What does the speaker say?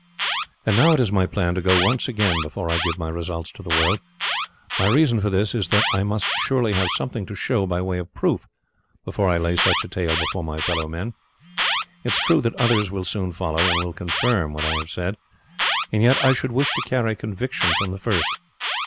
"And now it is my plan to go once again before I give my results to the world. My reason for this is that I must surely have something to show by way of proof before I lay such a tale before my fellow men. It is true that others will soon follow and will confirm what I have said, and yet I should wish to carry conviction from the first.